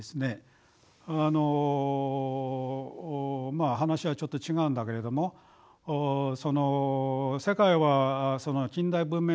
まあ話はちょっと違うんだけれどもその世界は近代文明諸国